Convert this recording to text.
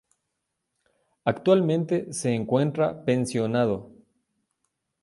Actualmente, se encuentra pensionado.